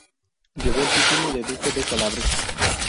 Llevó el título de Duque de Calabria.